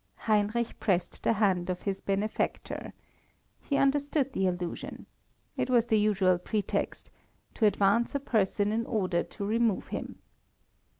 Heinrich pressed the hand of his benefactor. He understood the allusion. It was the usual pretext: to advance a person in order to remove him.